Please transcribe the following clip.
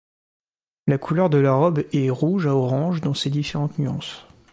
La couleur de la robe est rouge à orange dans ses différentes nuances.